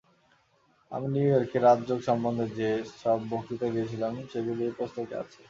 আমি নিউ ইয়র্কে রাজযোগ সম্বন্ধে যে-সব বক্তৃতা দিয়েছিলাম, সেগুলি এই পুস্তকে আছে।